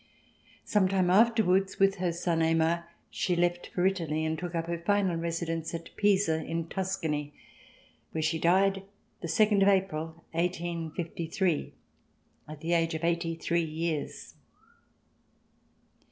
Some time aftenvards, with her son, Aymar, she left for Italy and took up her final residence at Pisa in Tuscany, where she died the second of April, 1853, at the age of eighty three years.